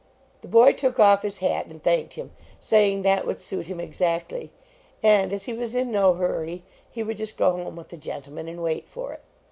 The boy took off his hat and thanked him, saying that would suit him exactly; and as he was in no hurry he would just go home with the gentleman and wait for it.